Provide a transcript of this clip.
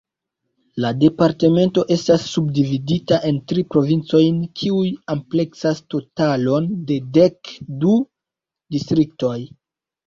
La departemento estas subdividita en tri provincojn, kiuj ampleksas totalon de dek du distriktoj.